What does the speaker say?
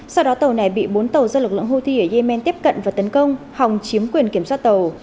sau đó tàu này bị bốn tàu do lực lượng houthi ở yemen tiếp cận và tấn công hòng chiếm quyền kiểm soát tàu